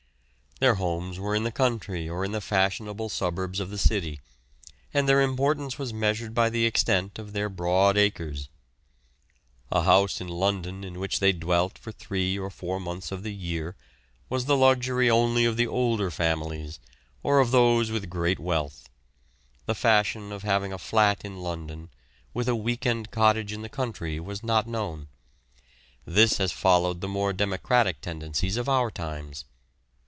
Their homes were in the country or in the fashionable suburbs of the city, and their importance was measured by the extent of their broad acres. A house in London, in which they dwelt for three or four months of the year, was the luxury only of the older families, or of those of great wealth; the fashion of having a flat in London, with a week end cottage in the country, was not known this has followed the more democratic tendencies of our times.